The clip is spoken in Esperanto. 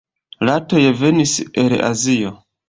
Ratoj venis el Azio.